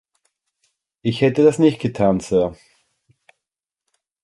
Ich hätte das nicht getan, Sir.